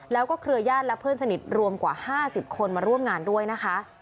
แล้วก็เครือญาติและเพื่อนสนิทรวมกว่า๕๐คนมาร่วมงานด้วยนะคะ